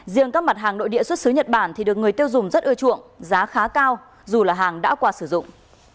riêng các mặt hàng nội địa xuất xứ nhật bản thì được người tiêu dùng rất ưa chuộng giá khá cao dù là hàng đã qua sử dụng